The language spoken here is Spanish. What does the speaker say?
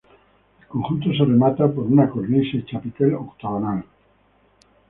El conjunto se remata por una cornisa y chapitel octogonal.